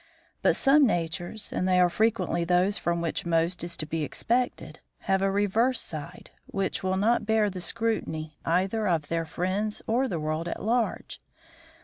But some natures, and they are frequently those from which most is to be expected, have a reverse side, which will not bear the scrutiny either of their friends or the world at large.